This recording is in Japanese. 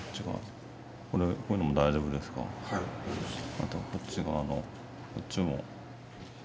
あとこっち側のこっちも。